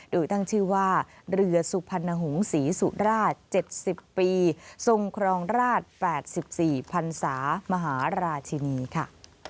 โดยตั้งชื่อว่าเรือสุพรรณหงศรีสุราช๗๐ปีทรงครองราช๘๔พันศามหาราชินีค่ะ